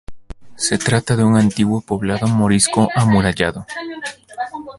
Se trata de un antiguo poblado morisco amurallado.